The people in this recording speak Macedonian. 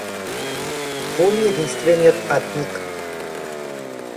Боли единствениот патник.